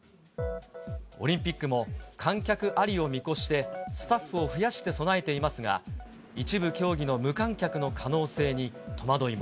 オリンピックも観客ありを見越して、スタッフを増やして備えていますが、一部競技の無観客の可能性に戸惑いも。